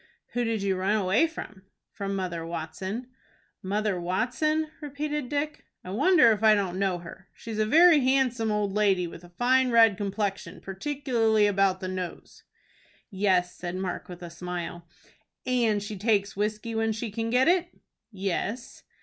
"Who did you run away from?" "From Mother Watson." "Mother Watson?" repeated Dick. "I wonder if I don't know her. She is a very handsome old lady, with a fine red complexion, particularly about the nose." "Yes," said Mark, with a smile. "And she takes whiskey when she can get it?" "Yes."